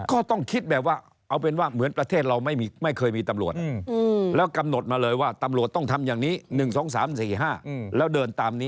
ก็ต้องคิดแบบว่าเอาเป็นว่าเหมือนประเทศเราไม่เคยมีตำรวจแล้วกำหนดมาเลยว่าตำรวจต้องทำอย่างนี้๑๒๓๔๕แล้วเดินตามนี้